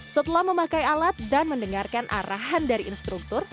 setelah memakai alat dan mendengarkan arahan dari instruktur